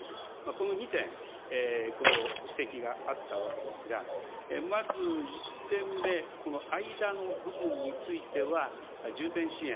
この２点、指摘があったわけですが、まず１点目、この間の部分については、重点支援、